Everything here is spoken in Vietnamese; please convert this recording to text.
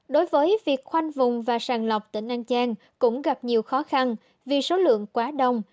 đối với việc khoanh vùng và sàng lọc tỉnh an giang cũng gặp nhiều khó khăn vì số lượng quá đông